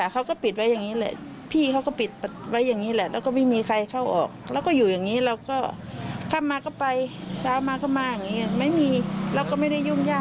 เราต้องออกไปขายของครับอืมอืมก็ไม่มีอะไรน่ะ